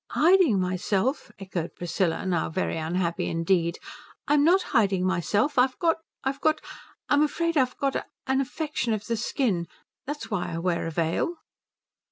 "Hiding myself?" echoed Priscilla, now very unhappy indeed, "I'm not hiding myself. I've got I've got I'm afraid I've got a an affection of the skin. That's why I wear a veil."